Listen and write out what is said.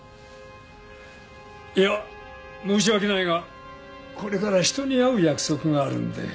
いや申し訳ないがこれから人に会う約束があるんで。